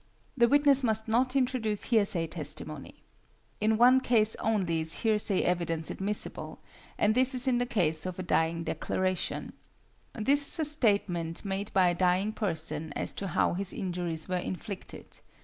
The witness must not introduce hearsay testimony. In one case only is hearsay evidence admissible, and that is in the case of a dying declaration. This is a statement made by a dying person as to how his injuries were inflicted.